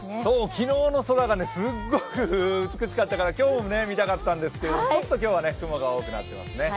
昨日の空がすごく美しかったから、今日も見たかったんですけど、ちょっと今日は雲が多くなってますね。